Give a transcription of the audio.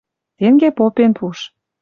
Тенге попен пуш: